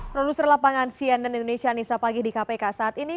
produser lapangan sien dan indonesia anissa pagih di kpk saat ini